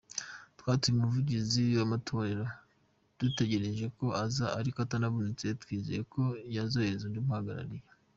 Twatumiye umuvugizi w’amatorero, dutegereje ko aza ,ariko atanabonetse twizeye ko yakohereza undi umuhagararira.